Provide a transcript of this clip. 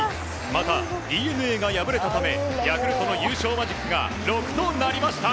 また、ＤｅＮＡが敗れたためヤクルトの優勝マジックが６となりました。